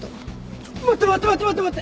ちょっ待って待って待って待って！